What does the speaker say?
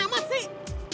ih lama amat sih